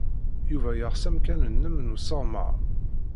Yuba yeɣs amkan-nnem n usseɣmer.